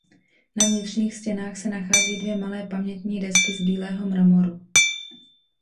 Na vnitřních stěnách se nachází dvě malé pamětní desky z bílého mramoru.